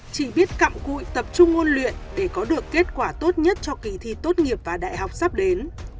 chỉ biết cặm cụi tập trung ôn luyện để có được kết quả tốt nhất cho kỳ thi tốt nghiệp và đại học sắp đến